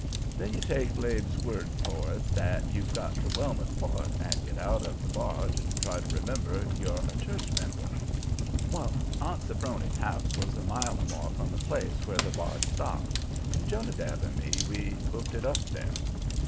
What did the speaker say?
Then you take Labe's word for it that you've got to Wellmouth Port and get out of the barge and try to remember you're a church member. Well, Aunt Sophrony's house was a mile or more from the place where the barge stopped, and Jonadab and me, we hoofed it up there.